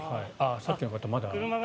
さっきの方まだ。